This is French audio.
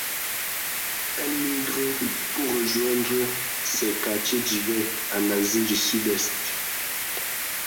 Elle migre pour rejoindre ses quartiers d'hiver en Asie du Sud-Est.